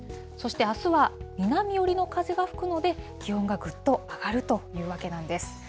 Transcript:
そして、あすは南寄りの風が吹くので、気温がぐっと上がるというわけなんです。